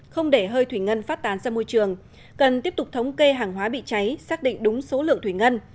không để hơi thủy ngân phát tán ra môi trường cần tiếp tục thống kê hàng hóa bị cháy xác định đúng số lượng thủy ngân